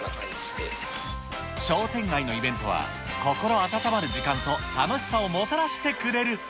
商店街のイベントは、心温まる時間と楽しさをもたらしてくれる。